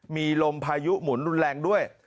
มีลมพายุหมุนรุนแรงด้วย